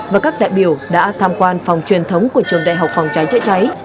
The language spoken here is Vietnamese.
và các đại biểu đã tham quan phòng truyền thống của trường đại học phòng cháy chữa cháy